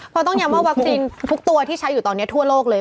เพราะต้องย้ำว่าวัคซีนทุกตัวที่ใช้อยู่ตอนนี้ทั่วโลกเลย